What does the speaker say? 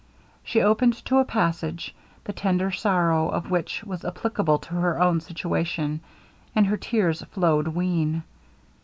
She opened to a passage, the tender sorrow of which was applicable to her own situation, and her tears flowed wean.